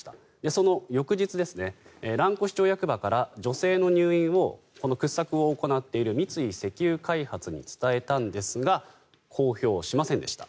その翌日、蘭越町役場から女性の入院を掘削を行っている三井石油開発に伝えたんですが公表はしませんでした。